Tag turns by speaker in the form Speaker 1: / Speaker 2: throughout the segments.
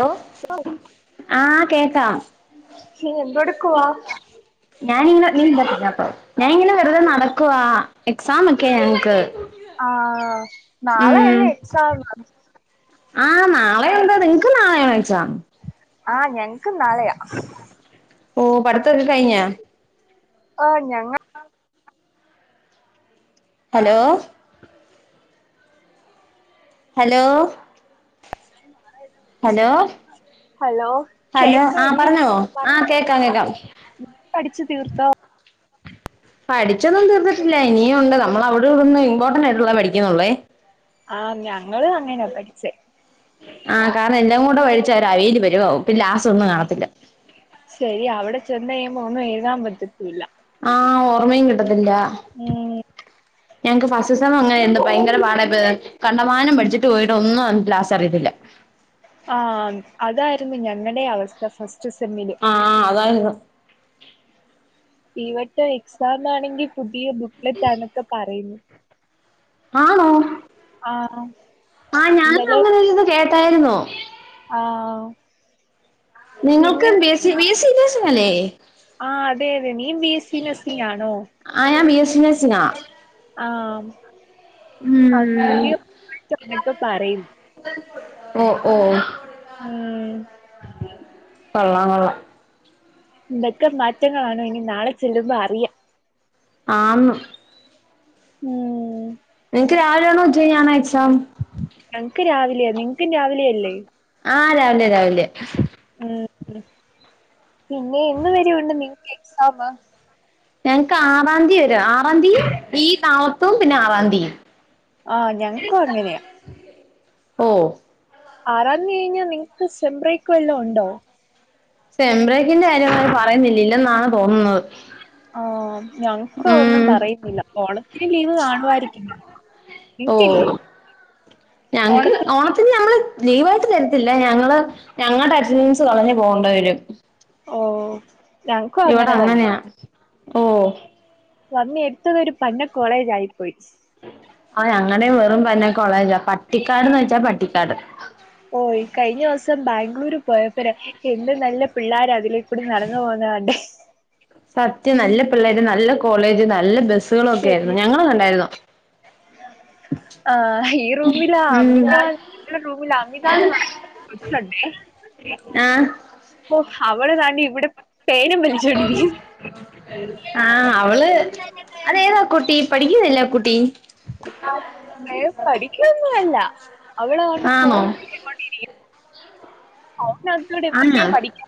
Speaker 1: Law ആ കേക്കാം.
Speaker 2: നീ എന്തെടുക്കുവാ
Speaker 1: ഞാനിങ്ങെനെ വെറുതെ നടക്കുവാ. എക്സാം ഒക്കെയാ ഞങ്ങെക്ക്.
Speaker 2: ആ നാളെയല്ലേ എക്സാം?
Speaker 1: ആ നാളെ ഉണ്ട്. നിങ്ങക്കും നാളെയാണോക്സാം?
Speaker 2: ആഹ് ഞങ്ങക്ക് നാളെയാ
Speaker 1: ഓ പടത്തൊക്കെ കഴിഞ്ഞ?
Speaker 2: ഓ ഞങ്ങ
Speaker 1: ഹലോ? ഹലോ
Speaker 2: സ്വയം മാറായിരുന്നു
Speaker 1: ഹലോ? ഹലോ ആ
Speaker 2: കേക്കാടി
Speaker 1: പറഞ്ഞോ ആ
Speaker 2: പറഞ്ഞോ
Speaker 1: കേക്കാം കേക്കാം.
Speaker 2: നീ പഠിച്ച് തീർത്തോ?
Speaker 1: പഠിച്ചൊന്നും തീർത്തിട്ടില്ല. ഇനിയൊണ്ട് നമ്മെളവിടി വെടെന്ന് ഇമ്പോർട്ടന്റൊയിട്ടൊള്ളേ പഠിക്കെന്നൊള്ളേ.
Speaker 2: ആഹ് ഞങ്ങളും അങ്ങനാ പഠിച്ചേ
Speaker 1: ആ കാരണം എല്ലാം കൂടെ വഴിച്ചോരഴീല് വെരാവും പിന്നെ ലാസ്റ്റൊന്നും കാണത്തില്ല.
Speaker 2: ശെരി അവെടെ ചെന്നെഴിയുമ്പോ ഒന്നും എഴുതാൻ പറ്റത്തില്ല.
Speaker 1: ആ ഓർമ്മയും കിട്ടത്തില്ല.
Speaker 2: ഉം
Speaker 1: ഞങ്ങക്ക് ഫാസ്റ്റ് സം അങ്ങനെരുന്നു ഭയങ്കര പാടയിപോയി കണ്ടമാനം പഠിച്ചിട്ട് പോയിട്ട് ഒന്നും ലാസ്റ്റ് അറിയത്തില്ല. അറിയത്തില്ല. [unintelligible]
Speaker 2: ആ അതായിരുന്നു ഞങ്ങടെ അവസ്ഥ. [unintelligible]
Speaker 1: ആ അതായിരുന്നു.
Speaker 2: ഇവടെ എക്സാാം ആണെങ്കിൽ പുതിയ ബുക്ക്ലെട്ടാന്നൊക്കെ പറയുന്നു.
Speaker 1: ആണോ?
Speaker 2: ആഹ്
Speaker 1: ആ ഞാനും
Speaker 2: ഇന്നലെ
Speaker 1: അങ്ങനൊരിത് കേട്ടായിരുന്നോ.
Speaker 2: ആ
Speaker 1: നിങ്ങൾക്കും [unintelligible] ബിഎസ്സി നേഴ്സിങ് അല്ലെ?
Speaker 2: ആ അതെ അതെ നീയ്യും ബിഎസ്സി നേഴ്സിംഗ് ആണോ?
Speaker 1: നൈസിങ്ങ [unintelligible]
Speaker 2: ാം
Speaker 1: ഉം
Speaker 2: [unintelligible]
Speaker 1: ഓ ഓ
Speaker 2: ം
Speaker 1: കൊള്ളാം കൊള്ള
Speaker 2: എന്തൊക്കെ മാറ്റങ്ങളാണോ ഇനി നാളെ ചെല്ലുമ്പോ അറിയാം.
Speaker 1: ആന്ന്
Speaker 2: ം
Speaker 1: നിനക്ക് രാവിലെയണോ ഉച്ചകയിഞ്ഞാണോ എക്സാം?
Speaker 2: ഞങ്ങക്ക് രാവിലെയാ നിങ്ങക്കും രാവിലെ അല്ലേ?
Speaker 1: ആ രാവിലെ രാവിലെ.
Speaker 2: പിന്നെ എന്ന് വരൊണ്ട് നിങ്ങ്ക്ക് എക്സമ്?
Speaker 1: ഞങ്ങക്ക് ആറാന്തിവരെ ആറാന്തിയും [unintelligible] പിന്നെ ആറാന്തീം
Speaker 2: ആഹ ഞങ്ങക്കും അങ്ങനെയാ-
Speaker 1: ഓ
Speaker 2: ആരാന്തീ കയിഞ്ഞ് നിങ്ങക്ക് സേം ബ്രേക്ക്‌ വല്ലോം ണ്ടോ?
Speaker 1: സെംബ്രേക്കിന്റെ കാര്യം പറയുന്നില്ല ഇല്ലെന്നാണ് തോന്നുന്നത്.
Speaker 2: ആഹ് ഞങ്ങക്കതൊന്നും
Speaker 1: ഉം
Speaker 2: പറയുന്നില്ല ഓണത്തിന് ലീവ കാണുവായിരിക്കും.
Speaker 1: ഓ
Speaker 2: നിത്തില്ലേ?
Speaker 1: ഞങ്ങക്ക് ഓണത്തിന് ഞങ്ങള്- ലീവയിട്ട് തരത്തില്ല ഞങ്ങള് ഞങ്ങളുടെ അറ്റൻഡൻസ് കളഞ്ഞു പോകേണ്ട വരും.
Speaker 2: ഓ ഞങ്ങക്കും
Speaker 1: ഇവിടെ
Speaker 2: അങ്ങനെ തന്നെയാ.
Speaker 1: അങ്ങനെയാ ഓ
Speaker 2: വന്നി എടുത്ത തൊരു പന്ന കോളേജ ആയിപ്പോയി.
Speaker 1: ആ ഞങ്ങടെേ വെറും പന്നെ കോളേജാ പട്ടിക്കാട്ന്ന് വെച്ചാ പട്ടിക്കാട്.
Speaker 2: ഓയ് കഴിഞ്ഞ ദിവസം ബാംഗ്ലൂര് പോയപ്പോ എന്ത് നല്ല പിള്ളോര അതിലേക്കൂടി നടന്നു പോ കുന്ന കണ്ടേ.
Speaker 1: സത്യം നല്ല പിള്ളേര് നല്ല കോളേജ് നല്ല ബസ്സുകളൊക്കെ
Speaker 2: ശരി
Speaker 1: ആയിരുന്നു ഞങ്ങള് കണ്ടായിരുന്നു. [unintelligible]
Speaker 2: ആ ഈ റൂമില
Speaker 1: ഉം
Speaker 2: അമിത റൂമില അമിതന്ന്. [unintelligible]
Speaker 1: ആഹ്
Speaker 2: അപ്പൊ അവടെ കണ്ട് ഇവിടെ- പേനും വലിച്ചോണ്ടിരിക്കുന്നു
Speaker 1: ആഹ് അവള് അതേതാ കുട്ടി പടി - ല്ല കുട്ടി.
Speaker 2: പഠിക്കൊന്ന അല്ല അവളണ്ട്
Speaker 1: ആണോ
Speaker 2: ഫോൺ നോക്കിക്കൊണ്ടിരിക്കും. ഒക്കെ
Speaker 1: ആണോ
Speaker 2: എന്തൊക്കെയോ പഠിക്ക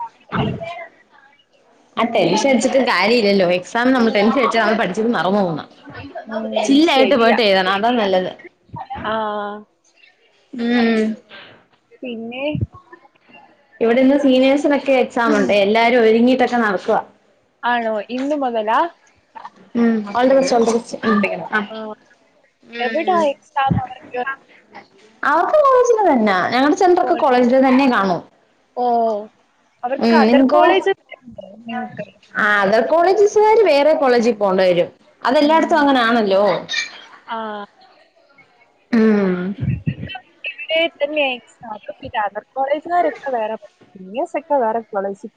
Speaker 1: ആ ടെൻഷ അടിച്ചി് കാര്യമല്ലോ എക്സാം നമ്മള് ടെൻഷ അടിച്ചാ നമ്മള് പഠിച്ചി മറ - ന്ന
Speaker 2: ഉം
Speaker 1: ചില്ലായിട്ട്
Speaker 2: ശരിയാ
Speaker 1: പോയിട്ട് എഴുതണം അതാ നല്ലത്.
Speaker 2: ആഹ്
Speaker 1: മ് -
Speaker 2: ഏ
Speaker 1: ഇവിടെന്ന് സീനിയേഴ്സിനൊക്കെ എക്സാം ഉണ്ട് എല്ലാരും ഒരുങ്ങിട്ടൊക്കെ നടക്കുവ
Speaker 2: ആണോ ഇന്ന് മുതലാ
Speaker 1: ഉം all the best all the best ഉണ്ട
Speaker 2: ആഹ് എവിടാ എക്സാം അവർക്ക്
Speaker 1: ആ ഉ അവർക്ക കോളേജിലെ തന്നാ ഞങ്ങളുടെ ചെണ്ടറൊക്കെ കോളേജിലെ തന്നെ കാണു
Speaker 2: ഓ അവർക്ക്ദർ കോളേജ്ണ്ടോ നിങ്ങക്ക്
Speaker 1: ആ അതർ കോളേജസുകാര് വേറെ കോളേജിൽ പോകണ്ട വരും അതെല്ലായിടത്തും
Speaker 2: ഉം
Speaker 1: അങ്ങനൊണല്ലോ
Speaker 2: ആഹ് പിന്നെ അദർ കോളേജുക്കാർ ഒക്കെ വേറെ നിയ സെക്കാ വറെ കോളേജി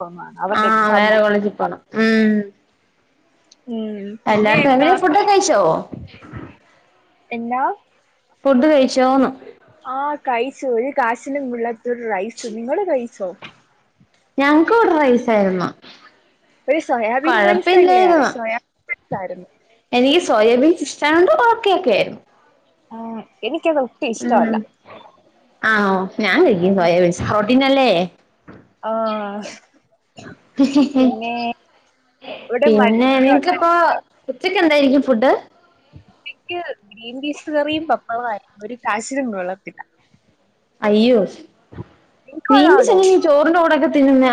Speaker 1: ആഹ വേറെ കോളേജിക്ക് പോണം ഉം
Speaker 2: ഉം പിന്നെ
Speaker 1: എല്ലാക്ക
Speaker 2: എന്താ
Speaker 1: എങ്ങനെയ ഫുഡൊക്കെ കഴിച്ചോ
Speaker 2: എന്നല്ലാ
Speaker 1: ഫുഡ് കഴിച്ചോന്ന്
Speaker 2: പ ഒരു കാശിനും കോള്ളതോരു റൈസ് നിങ്ങൾ കഴിച്ചോ
Speaker 1: ഞങ്ങക്ക് വിടെ റൈസ ആയിരുന്നു
Speaker 2: ഒരു സോയാബീൻ റൈസ് ഇല്ലേ
Speaker 1: കൊഴപ്പില്ലായിരുന്നു
Speaker 2: സോയാബീൻ റൈസ് ആയിരുന്നു
Speaker 1: എനിക്ക് സോയാബീൻ ഇഷ്ടായോണ്ട് ഓക്കേ ഓക്കേ ആയിരുന്നു
Speaker 2: ആഹ എനിക്കത് ഒട്ടി ഇഷ്ടമല്ല
Speaker 1: ആഹ ഞാൻ കഴിക്കും സോയാബീൻസ് ഹോട്ടീനല്ലേ
Speaker 2: ആഹ ഇവിടെ
Speaker 1: പിന്നെ
Speaker 2: മഴയൊക്കെ ഉണ്ടോ?
Speaker 1: നിനക്ക്പ്പൊ ഉച്ചക്ക് എന്തായിരിക്കും ഫുഡ്
Speaker 2: ഇൻക് ഗ്രീൻ പീസ് കറിയും [unintelligible] ഒരു കാശിനും കോള്ളത്തില്ല
Speaker 1: അയ്യോ
Speaker 2: അതാണോ?
Speaker 1: വീമ്പിച്ചെങ്ങനെ ഈ ചോറിന്റെ കൂടോക്കെ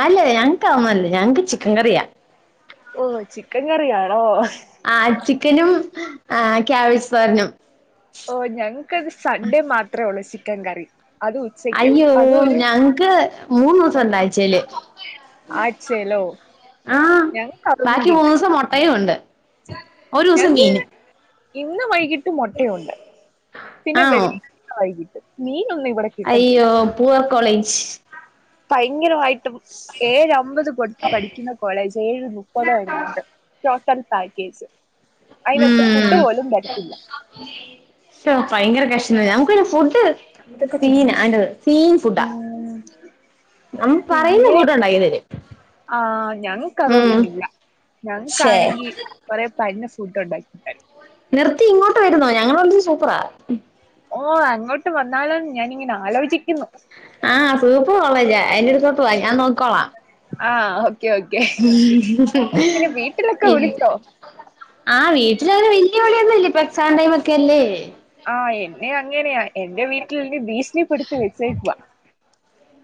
Speaker 1: അല്ലേ ഞങ്ങക്ക് അധോന്നും അല്ലാ ഞങ്ങക്ക് ചിക്കൻ കറിയാ
Speaker 2: ഓ ചിക്കൻ കറിയാണോ
Speaker 1: ആ ചിക്കനും ആ കാബെജ് തോരനും
Speaker 2: ഓ ഞങ്ങക്കത് സൺഡേ മാത്രേ ഉള്ളൂ ചിക്കൻ കറി അതും ഉച്ചയ്ക്ക്
Speaker 1: അയ്യോ
Speaker 2: അതും ഒരു
Speaker 1: ഞങ്ങക്ക് മൂന്ന് ദിവസം ഉണ്ട് ആഴ്ചേല്
Speaker 2: ആഴ്ചയിലോ
Speaker 1: ആഹ
Speaker 2: ഞങ്ങക്ക് അതൊന്നും
Speaker 1: ബാക്കി മൂന്ന്
Speaker 2: കിട്ടി
Speaker 1: ദിവസം മുട്ടയും ഉണ്ട് ഒരു ദിവസം
Speaker 2: ഞങ്ങക്ക്
Speaker 1: മീനും
Speaker 2: ഇന്ന് വൈകിട്ട് മുട്ടയുണ്ട് പിന്നെ
Speaker 1: ആണോ
Speaker 2: വെള്ളിയാ വൈകിട്ട് മീ
Speaker 1: അയ്യോ പൂവർ കോളേജ്
Speaker 2: ഭയങ്കരമായിട്ടും ഏഴ് അമ്പത് കൊടുത്ത് പഠിക്കുന്ന കോളേജ് ഏഴ് മുപ്പതോ എന്നാണ്ട് പാക്കേജ് അയിനോത്ത് ഫുഡ്
Speaker 1: ഉം
Speaker 2: പോലും തരത്തില്ല
Speaker 1: നമുക്ക് പിന്നെ ഫുഡ് സീന സീൻ ഫുഡാ
Speaker 2: ഉം,
Speaker 1: നമ്മ പറയുന്ന ഫുഡ്‌ ഉണ്ടാക്കി തരും
Speaker 2: ആഹ ഞങ്ങക്ക്
Speaker 1: ഉം
Speaker 2: അതൊന്നുല്ല
Speaker 1: ശേ
Speaker 2: ഞങ്ങക്കാണെങ്കി കൊറെ പന്ന ഫുട് ഉണ്ടാക്കി തരും
Speaker 1: നിർത്തി ഇങ്ങോട്ട് വരുന്നോ ഞങ്ങൾടെ ഫുഡ് സൂപ്പറാ
Speaker 2: ഓ അങ്ങോട്ട് വന്നാല ഞാനിങ്ങനെ ആലോചി
Speaker 1: ആഹ സൂപ്പർ കോളേജ അയിന്റെ അടുത്തൊട്ട് വാ ഞാൻ നോക്കിക്കോളാം
Speaker 2: ആഹ
Speaker 1: ഉ
Speaker 2: വീട്ടിലൊക്കെ
Speaker 1: ശരി
Speaker 2: വിളിച്ചോ
Speaker 1: ആഹ വീട്ടിലൊരു വല്യ വിളിയൊന്നും ഇല്ല ഇപ്പൊ എക്സാം ടൈം ഒക്കെ അല്ലേ
Speaker 2: ആഹ എന്നെ അങ്ങനെയ എന്റെ വീട്ടിൽന്ന് ഭീഷണിപ്പെടുത്തി വെച്ചേക്കുവ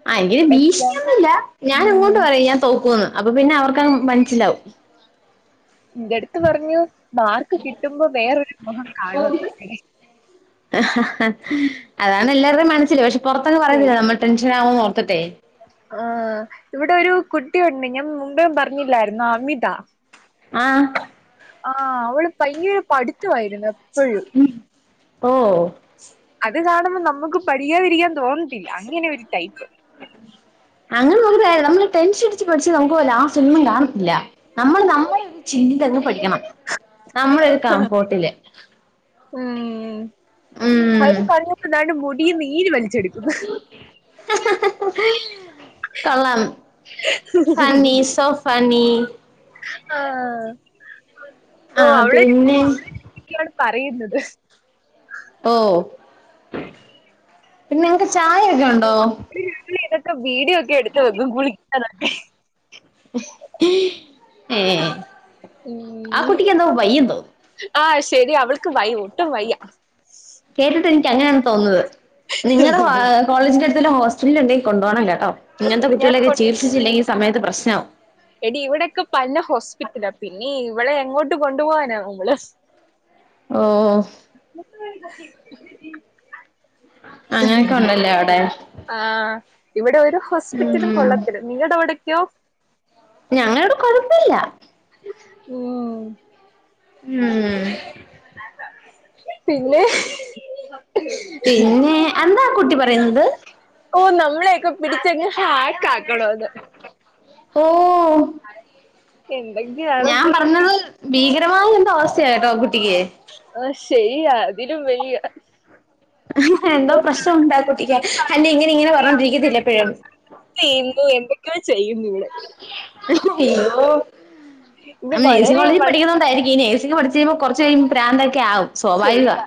Speaker 1: ആ എനിക്ക് അങ്ങനെ ഭീഷണിയൊന്നുമില്ല ഞാൻ അങ്ങോട്ട് പറയും ഞാൻ തോക്കൂന്ന് അപ്പൊ പിന്നെ അവർക്ക് മനസ്സിലാവും
Speaker 2: എന്റെ അടുത്ത് പറഞ്ഞു മാർക്ക് കിട്ടുമ്പോ വേറൊരു മുഗം കാണുവന്ന് ഹേ
Speaker 1: ആഹ് അഹ് അഹ് അതാണ് എല്ലാരുടെയും മനസിൽ പക്ഷെ പുറത്തൊന്നും പറയത്തില്ല
Speaker 2: ശരി
Speaker 1: നമ്മൾ ടെൻഷൻ ആകുന്ന്ഓർത്തിട്ടെ.
Speaker 2: ആ ഇവിടെ ഒരു കുട്ടിയുണ്ട് ഞാൻ മുമ്പും പറഞ്ഞില്ലായിരുന്നൊ അമിത
Speaker 1: ആഹ്
Speaker 2: ആഹ് അവള് ഭയങ്കര പടി യിരുന്ന് എപ്പഴും
Speaker 1: ഓഹ്
Speaker 2: അത് കാണ നമുക്ക് പഠിയാതിരിക്കാൻ തോന്നത്തില്ല അങ്ങനെ ഒരു ടൈപ്പ്.
Speaker 1: [inaudible] അങ്ങനെ നോക്കീട്ടു കാര്യല്ല നമ്മള് ടെൻഷടിച്ച് പഠിച്ച നമുക്ക് ലാസ്റ്റൊന്നും കാണത്തില്ല നമ്മൾ നമ്മള തങ്ങ് പഠിക്കണം നമ്മളൊരു കംഫോട്ടില്
Speaker 2: ഉം അ കറിയ എന്താണ്ട് മുടി നീര് വലിച്ചെടുക്കുന്നു.
Speaker 1: കൊള്ളാം ഫണ്ണി സോ ഫണ്ണി ണ്ണി
Speaker 2: ആഹ
Speaker 1: ആ
Speaker 2: ഓ
Speaker 1: പിന്നെ
Speaker 2: അവളേണ് പറയുന്നത് [inaudible]
Speaker 1: ഓ പിന്നെ ങ്ങക്ക് ചായ ഒക്കെ ഉണ്ടോ
Speaker 2: വീടിയോക്കെ എടുത്ത് വെക്കും കുളിക്ണ
Speaker 1: ഏ ആ
Speaker 2: ഉം
Speaker 1: കുട്ടിക്ക് എന്താ വയ്യ ന്നൊ
Speaker 2: ആഹ് ശരി അവൾക്ക് വൈ ഒട്ടും വയ്യ
Speaker 1: കേട്ടിട്ട് എനിക്ക് അങ്ങനെയാണ് തോന്നുന്നത് നിങ്ങളുടെ കോളേജിന്റെ അടു ഹോസ്റ്റലിൽണ്ടങ്കിൽ കൊണ്ടോണം കേട്ടോ ഇങ്ങത്തെ
Speaker 2: ഞാൻ
Speaker 1: കുട്ടികളൊക്കെ
Speaker 2: കൊ-
Speaker 1: ചികിത്സിച്ചില്ലെങ്കിൽ സമയത്ത് പ്രശ്നാവും
Speaker 2: എടി ഇവിടൊക്കെ പല ഹോസ്പിറ്റല പിന്നീ ഇവളെ എങ്ങോട്ട് കൊണ്ടുപോവാനാ നമ്മള്
Speaker 1: ഓ
Speaker 2: [inaudible]
Speaker 1: അങ്ങനെയൊക്കെ ഉണ്ടല്ലേ അവിടെ
Speaker 2: ആഹ് ഇവിടെ ഒരു ഹോസ്പിറ്റലും
Speaker 1: ഉം
Speaker 2: കൊള്ളത്തില്ല നിങ്ങളുടെ അവിടക്കെയോ?
Speaker 1: ഞങ്ങളെവിടെ കൊഴപ്പില്ല.
Speaker 2: ഉം
Speaker 1: ഉം
Speaker 2: പിന്നെ
Speaker 1: പിന്നെ എന്താ ആ കുട്ടിപറയുന്നത്?
Speaker 2: ഓ നമ്മളൊക്കെ പിടിച്ചങ്ങ് അക്കക്കാനൊന്ന്
Speaker 1: ഓ ഞാൻ പറഞ്ഞത് ഭീകരമായ എന്ത അവസ്ഥയ കേട്ടോ കുട്ടിക്ക്
Speaker 2: ആഹ് ശരിയാ അതിലും വലിയ
Speaker 1: എന്തോ പ്രശ്നണ്ട കുട്ടിക്ക് അല്ലേ ഇങ്ങനെ ഇങ്ങനെ പറഞൊണ്ടിരിക്കത്തില്ല എപ്പോഴും
Speaker 2: [inaudible] എന്തൊക്കെയാ ചെയ്യുന്നു ഇവൾ
Speaker 1: അയ്യോ
Speaker 2: ഇത്
Speaker 1: നമ്മ നേഴ്സിംഗ
Speaker 2: വളരെ
Speaker 1: കോളേജിൽ
Speaker 2: വളരെ
Speaker 1: പഠിക്കുന്നത്ണ്ടായിരിക്കും ഈ നേഴ്സിംഗ പഠി ചെയുമ്പോ കൊറചെയ്യുമ്പോ പ്രാന്തൊക്കെ ആവും സ്വാഭാവിക
Speaker 2: ശരിയാ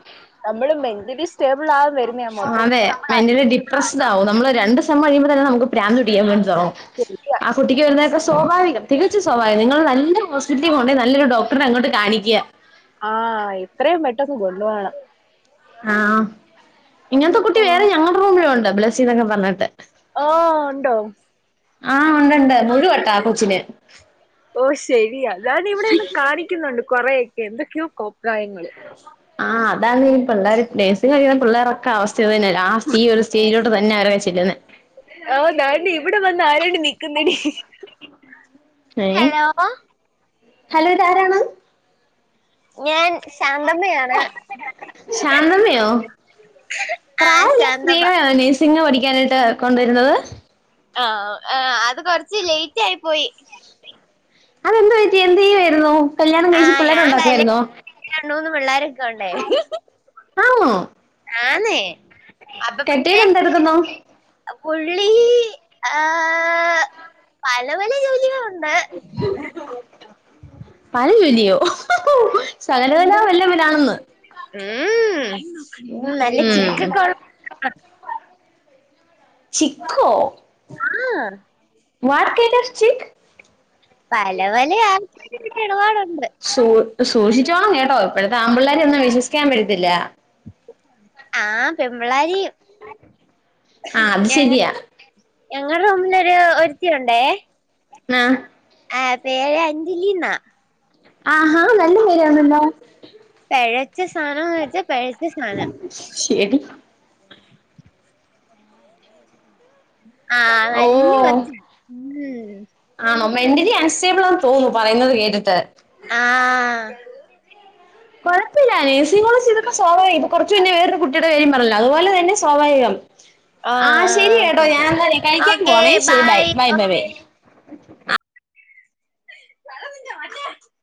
Speaker 2: നമ്മള് മെന്റലി സ്റ്റേബിൾ ആകും വരുന്നയാ മൊത്തത്തിൽ
Speaker 1: അതെ
Speaker 2: നമ്മൾ
Speaker 1: മെന്റലിഡിപ്രസ്ഡ് ആകും നമ്മള് രണ്ട് ഴിയ്പ തന്നെ നമുക്ക് പ്രാന്ത് തുടിക്കാൻ വേണ്ടി തുടങ്ങും
Speaker 2: ശരിയാ
Speaker 1: ആ കുട്ടിക്ക് വരുന്നൊക്കെ സ്വാഭാവികം തികച്ച സ്വഭാവം നിങ്ങൾ നല്ല ഹോസ്പിറ്റലി കൊണ്ടേ നല്ലൊരു ഡോക്ടറെ അങ്ങോട്ട് കാണിക്യാ.
Speaker 2: ആഹ് എത്രയും പെട്ടന്ന് കൊണ്ടുവണം
Speaker 1: ആഹ ഇങ്ങനത്തെ കുട്ടി വേറെ ഞങ്ങളുടെ റൂമിലുണ്ട് ബ്ലസീ ന്നൊക്കെ പറഞ്ഞിട്ട്.
Speaker 2: ആഹ് ണ്ടോ
Speaker 1: ആഹ് ഉണ്ടണ്ട് മുഴുവട്ട കൊച്ചിന്
Speaker 2: ഓ ശരി അതാണ് ഇവിടെ ഇന്ന് കാണിക്കുന്നുണ്ട് കൊറെയൊക്കെ എന്തൊക്കെയോക്കപ്രായങ്ങള്.
Speaker 1: ആഹ് അതാണ് പിള്ളേറെക്കെ നേഴ്സിംഗ് കഴിയുന്ന പിള്ളോരൊക്കെ അവസ്ഥ ഇതന്നെ ഒരു സ്റ്റേജിലോ തന്ന ന്നെ റി വച്ചില്ലന്ന്
Speaker 2: ആ നണ്ട് ഇവിടെ വന്ന് ആരാണ്ട് നിക്കുന്നടി.
Speaker 1: ഏഹ്
Speaker 2: ഹലോ
Speaker 1: ഹലോ ഇത് ആരാണ്
Speaker 2: ഞാൻ ശാന്തമ്മയാണ് ആഹ് ശാന്തമ്മ
Speaker 1: പ്രായമുള്ളസ്ത്രീകളെയെ നഴ്സിംഗ് പഠിക്കാനായിട്ട് കൊണ്ടുവരുന്നത്
Speaker 2: ആഹ ആ അത് കുറച്ച് ലേറ്റ് ആയി പോയി
Speaker 1: അതെന്ത് പറ്റി എന്ത് ചെയ്യമായിരുന്നു കല്യാണം കഴിച്ചു പിള്ളേരെ ഉണ്ടാക്കയിരുന്നോ
Speaker 2: രണ്ടുമൂന്ന് പിള്ളേരൊക്കെ ഉണ്ട് [inaudible]
Speaker 1: ആണോ
Speaker 2: അപ്പൊ
Speaker 1: കെട്ടിയോൻ
Speaker 2: പിന്നെ
Speaker 1: എന്തെടുക്കുന്നു
Speaker 2: പുള്ളി ആ പല പല ജോലികളു
Speaker 1: [inaudible] പല ജോലി യോ സകലകല
Speaker 2: എന്തോ
Speaker 1: വല്ലവനാണെന്ന്
Speaker 2: [unintelligible]
Speaker 1: ചിക്കോ
Speaker 2: ആഹ
Speaker 1: [unintelligible] ചിക്ക്
Speaker 2: പലവല [inaudible]
Speaker 1: സൂ സൂക്ഷിച്ചോണം കേട്ടോ ഇപ്പോഴത ആമ്പിള്ളേരെ ഒന്നും വിശ്വസിക്കാൻ പറ്റത്തില്ല
Speaker 2: ആഹ പെമ്പിള്ളാരയും
Speaker 1: ആഹ അത് ശരിയാ
Speaker 2: ഞങ്ങളുടെ റൂമിലൊരുത്തിയുണ്ടേ
Speaker 1: ആ
Speaker 2: ആ പേര് അഞ്ജലിന്നാ
Speaker 1: ആഹ നല്ല കാര്യണല്ലോ
Speaker 2: പെയച്ച സാനന്ന് വെച്ച പെയച്ച സാനം
Speaker 1: ശരി
Speaker 2: ആ
Speaker 1: ഓ
Speaker 2: [unintelligible]
Speaker 1: [unintelligible] അസ്റ്റേബിൾാന്ന് തോന്നുന്നു പറയുന്നത് കേട്ടിട്ട്
Speaker 2: ആ
Speaker 1: കുഴപ്പില്ല നേഴ്സിങ്ങോടെ ചെയ്തപ്പോ സ്വാഭാവികം ഇപ്പൊ കുറച്ചു മുന്നെ വേറൊരു കുട്ടിയുടെ കാര്യ പറഞ്ഞില്ലെ അതുപോലെ തന്നെ സ്വാഭാവികം ആ ശരി
Speaker 2: ആഹ്
Speaker 1: കേട്ടോ
Speaker 2: ഓക്കെ
Speaker 1: ഞാൻ
Speaker 2: ഓക്കെ
Speaker 1: എന്നാലേ കഴിക്കാൻ പോവണേ ശരി ബൈ ബൈ ബയ്‌
Speaker 2: [unintelligible]